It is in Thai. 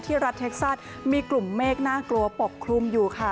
รัฐเท็กซัสมีกลุ่มเมฆน่ากลัวปกคลุมอยู่ค่ะ